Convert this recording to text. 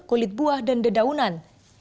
kulit buah dan dedaunan